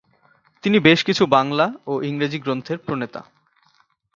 তিনি বেশ কিছু বাংলা ও ইংরেজি গ্রন্থের প্রণেতা।